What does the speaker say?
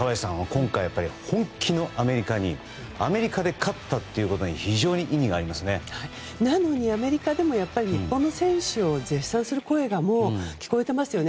今回は本気のアメリカにアメリカで勝ったのはアメリカでも日本の選手を絶賛する声が聞こえていますよね。